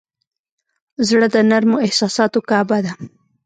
زړه د نرمو احساساتو کعبه ده.